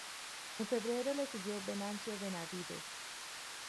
En febrero le siguió Venancio Benavides.